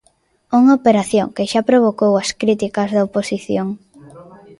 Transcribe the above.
Unha operación que xa provocou as críticas da oposición.